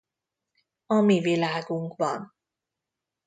A mi világunkban.